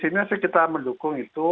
pada abis ini kita mendukung itu